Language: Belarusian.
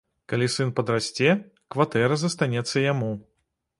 Калі сын падрасце, кватэра застанецца яму.